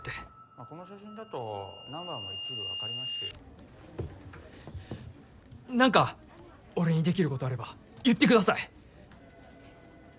まあこの写真だとナンバーなんか俺にできることあれば言ってください！